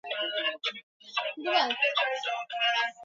Mbunge aliamua kukarabati njia zote